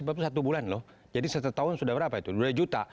rp dua ratus lima puluh satu bulan loh jadi satu tahun sudah berapa itu rp dua juta